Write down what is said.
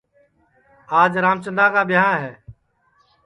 آج رامچندا کا ٻیاں ہے